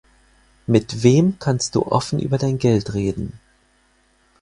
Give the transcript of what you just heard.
Mit wem kannst du offen über dein Geld reden?